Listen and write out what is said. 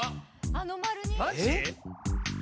あの丸に？